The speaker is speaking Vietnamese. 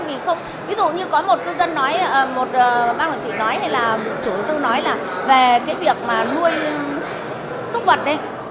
ví dụ như có một cư dân nói một ban quản trị nói hay là chủ tư nói là về cái việc nuôi súc vật đấy